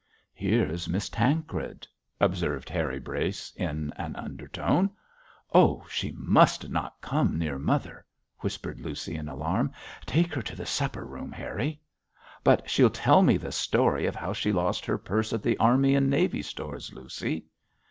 'Here is Miss Tancred,' observed Harry Brace, in an undertone. 'Oh, she must not come near mother,' whispered Lucy, in alarm. 'Take her to the supper room, Harry.' 'But she'll tell me the story of how she lost her purse at the Army and Navy Stores, Lucy.'